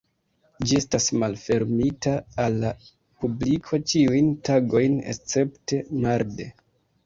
Ĝi estas malfermita al la publiko ĉiujn tagojn escepte marde.